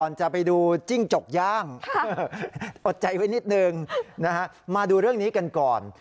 จะไปดูจิ้งจกย่างอดใจไว้นิดนึงนะฮะมาดูเรื่องนี้กันก่อน